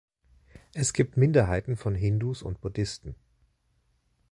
Es gibt Minderheiten von Hindus und Buddhisten.